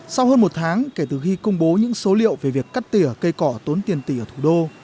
sau hơn một tháng kể từ khi công bố những số liệu về việc cắt tỉa cây cỏ tốn tiền tỷ ở thủ đô